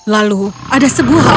lalu ada sebuah anak singa